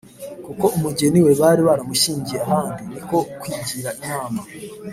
kuko umugeni we bari baramushyingiye ahandi. ni ko kwigira inama